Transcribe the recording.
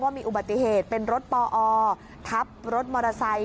มีอุบัติเหตุเป็นรถปอทับรถมอเตอร์ไซค